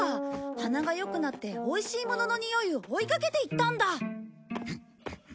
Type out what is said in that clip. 鼻が良くなっておいしいもののにおいを追いかけていったんだ！